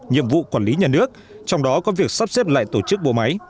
nhiệm vụ quản lý nhà nước trong đó có việc sắp xếp lại tổ chức bộ máy